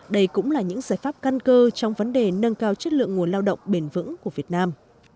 đây cũng là những giải pháp căn cơ trong vấn đề nâng cao chất lượng nguồn lao động bền vững của việt nam